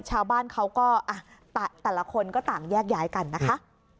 ชาวบ้านเขาก็แต่ละคนก็ต่างแยกย้ายกันนะคะ